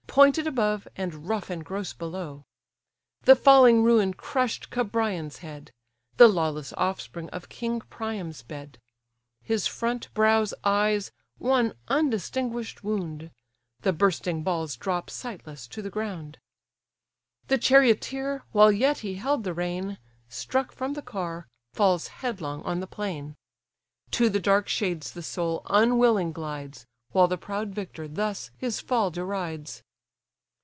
Pointed above, and rough and gross below: The falling ruin crush'd Cebrion's head, The lawless offspring of king Priam's bed; His front, brows, eyes, one undistinguish'd wound: The bursting balls drop sightless to the ground. The charioteer, while yet he held the rein, Struck from the car, falls headlong on the plain. To the dark shades the soul unwilling glides, While the proud victor thus his fall derides.